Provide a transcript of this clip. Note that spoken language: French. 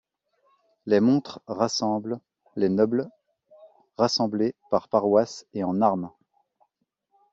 Les montres rassemblent les nobles, rassemblés par paroisse et en armes.